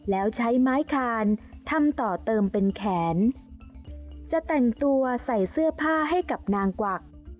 แล้วใช้ไม้คานทำต่อเติมเป็นแขนจะแต่งตัวใส่เสื้อผ้าให้กับนางกวัก